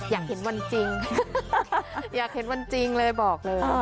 อยากเห็นวันจริงค่ะอยากเห็นวันจริงเลยบอกเลย